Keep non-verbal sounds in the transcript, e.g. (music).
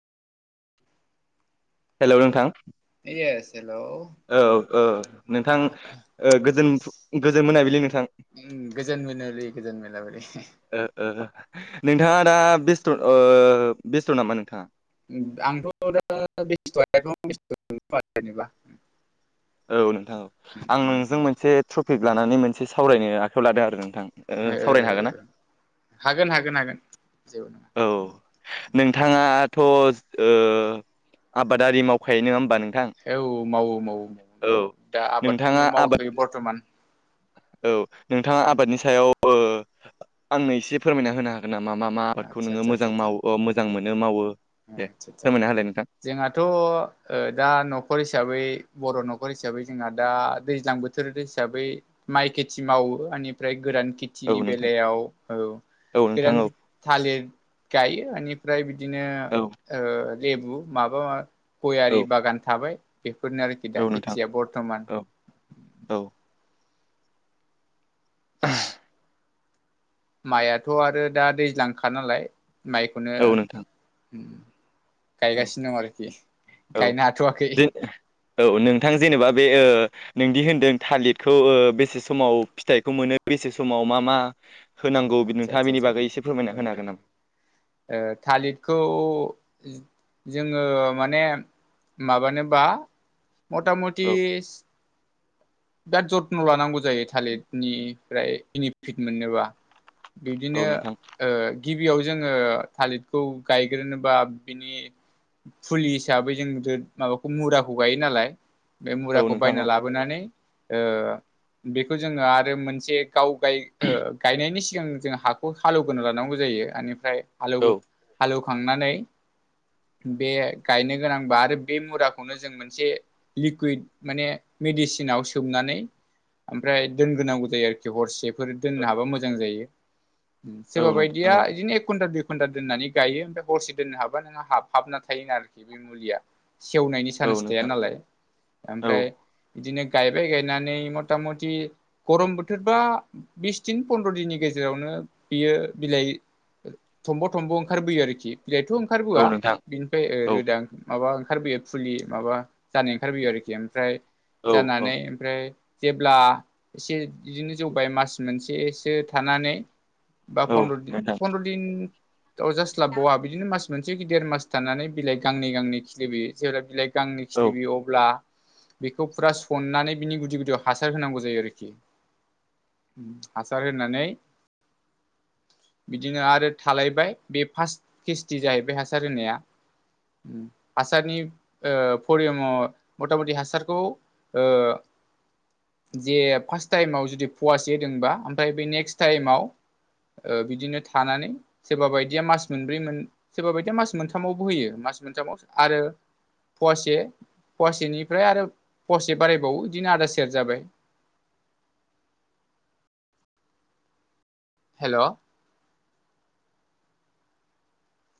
Hello नोंथां yes hello औ-औ नोंथां ओ गोजोन फु गोजोन मोना बिलि नोंथां। उम गोजोन मोनाबिलि गोजोन मोनाबिलि ओ ओ नोंथाङा दा बेस्ट' ओ बेस्ट' नामा नोंथाङा? आंथ' दा बेसथ' आलाय बेसथ' नंथ'आ जेनेबा। औ नोंथां आं ओ नोंजों मोनसे थपिक लानानै मोनसे सावरायनो आखायाव लादों आरो नोंथां। ओ सावरायनो हागोन ना ओ-ओ हागोन-हागोन-हागोन। औ। नोंथाङाथ' ओ आबादारि मावखायो नोङा होमबा नों औ मावो मावो (unintelligible) दा आबादखौनो नोंथाङा आबाद मावथ'यो बरत'मान औ नोंथाङा आबादनि सायाव ओ आंनो एसे फोरमायना होनो हागोन नामा मा मा आबादखौ आदसा नोङो मोजां माव ओ मोजां मोनो मावो दे आत्सा सा फोरमायना होलाय नोंथां जोंहाथ' ओ दा न'खर हिसा साबै बर' न'खर हिसाबै जोंहा दा दैज्लां बोथोर हिसाबै माइ खेथि मावो (unintelligible) निफ्राय गोरान औ खेथिनि नोंथां बेलायाव औ औ नोंथां औ (unintelligible) थालिद गायो ओनिफ्राय बिदि दिनो औ ओ लेबु माबा मा गयारि औ बागान थाबाय बेफोरनो आरोखि दा औ नोंथां खेथिया बरत'मान औ औ (unintelligible) माइयाथ' आरो दा दैज्लांखा नालाय माइखौनो औ नोंथां उम औ गायगासिनो दं आरोखि औ गायनो हाथ'वाखै जों औ नोंथां जेनेबा बे ओ नोंदि होनदों थालिदखौ बेसे समाव फिथाइखौ मोनो (unintelligible) बेसे समाव मा मा होनांगौ आदसा नोंथाङा आदसा बेनि आदसा बागै एसे फोरमायना होनो हागोन नामा? ओ थालिदखौ जोङो माने माबानोबा मता औ मतिस बिराद जत्न' लानांगौ जायो थालिदनिफ्राय बिनिफिट मोननोबा बिबदिनो औ नोंथां ओ गिबियाव जोङो थालिदखौ गायग्रोनो बा बिनि फुलि हिसाबै जों माबाखौ मुराखौ गायो नालाय बे औ मुराखौ नोंथां बायना औ लाबोनानै ओ बेखौ जोङो आरो मोनसे गाव गाय ओ गायनायनि सिगां जों हाखौ हालौग्रोना लानांगौ जायो आनिफ्राय हाल औ एवहो हाल एवखांनानै बे गायनो गोनांबा आरो बे मुराखौनो जों मोनसे लिकुइद माने मेडिसिनाव सो सोमनानै ओमफ्राय दोनग्रोनांगौ जायो आरोखि हरसेफोर दोननो हाबा मोजां जायो। औ सोरबा नोंथां बायदिया औ इदिनो एक कुइनतेल घन्ता दोननानै गायो ओमफ्राय हरसे दोननो हाबा नोंहा हाबहाबना थायोन आरोखि बे मुलिया । सेवनायनि औ चान्स थाया नोंथां नालाय, औ ओमफ्राय बिदिनो गायबाय गायनानै मता मति गरम बोथोरबा बिस दिन फन्द्र दिननि गेजेरावनो। बियो बिलाइ थमब थमब ओंखारबोयो आरोखि। बिलाइथ ओंखारबोआ औ नोंथां बिनिफ्राय औ रोदा माबा‌ ओंखारो। ओंखारबोयो फुलि माबा जानाय ओंखारबोयो आरोखि ओमफ्राय औ औ जानानै ओमफ्राय जेब्ला एसे इदिनो जौबाय मास मोनसेसो । एसो थानानै बा औ फन्द्र दिन नोंथां पन्द्र दिन। थ जास्लाबावा बिदिनो मास मोनसे देर मास थानानै बिलाइ गांनै गांनै खिलिबोयो जेब्ला बिलाइ गांनै औ खिलाबोयो अब्ला बिखौ फुरा अननानै बिनि गुदि गुदियाव हासार होनांगौ जायो आरोखि। हासार होनानै बिदिनो आरो थालायबाय बे फार्स्ट केेस्टि जाहैबाय हासार होनाया। हासारनि ओ परियम मथा मथि हासारखौ। ओ जे फार्स्ट टाइमाव जुदि पवासे होदोंबा ओमफ्राय बे नेक्स्ट टाइमाव। ओ बिदिनो थानानै सोरबा बायदिया मास मोनब्रै मोन सोरबा बायदिया मास मोनथामावबो होयो। मास मोनथामाव आरो फवासे फवासेनिफ्राय आरो। फवासे बारायबावो बिदिनो आदा सेर जाबाय। हेल